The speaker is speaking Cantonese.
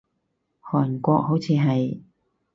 韓國，好似係